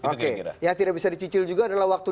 oke yang tidak bisa dicicil juga adalah waktu